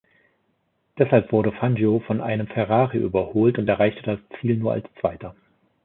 Deshalb wurde Fangio von einem Ferrari überholt und erreichte das Ziel nur als Zweiter.